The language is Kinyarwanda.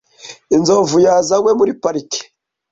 Inzovu yazanywe muri pariki.